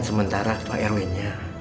sementara pak erwinnya